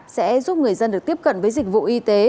sẽ giúp người dân được tiếp cận với dịch vụ y tế